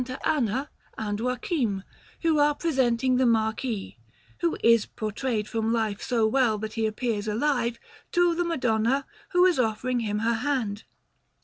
Anna, and Joachim, who are presenting the Marquis who is portrayed from life so well that he appears alive to the Madonna, who is offering him her hand.